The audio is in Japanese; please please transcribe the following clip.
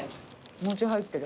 餅入ってる。